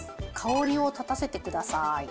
香りを立たせてください。